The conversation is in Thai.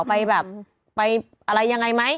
ไปแบบไปอะไรยังไงไหม